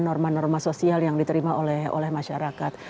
norma norma sosial yang diterima oleh masyarakat